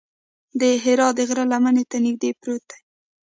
د حرا د غره لمنې ته نږدې پروت دی.